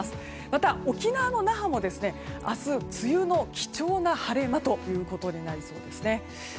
また、沖縄の那覇も明日、梅雨の貴重な晴れ間になりそうです。